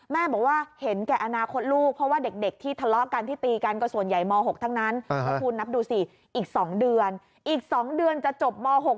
แม่บอกว่าเห็นแก่อนาคตลูก